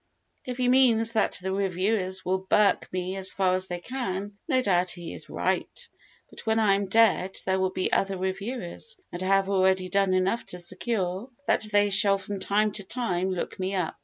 If he means that the reviewers will burke me as far as they can, no doubt he is right; but when I am dead there will be other reviewers and I have already done enough to secure that they shall from time to time look me up.